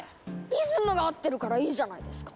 リズムが合ってるからいいじゃないですか！